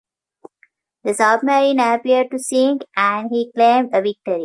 The submarine appeared to sink and he claimed a victory.